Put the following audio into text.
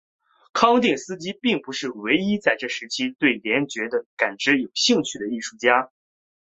康定斯基并不是唯一在这一时期对联觉感知有兴趣的艺术家。